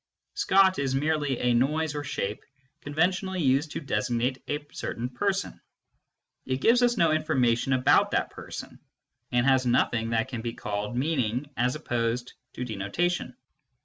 Scott is merely a noise or shape conventionally used to designate a certain person ; it gives us no information about that person, and has nothing that can be called meaning as opposed to denotation.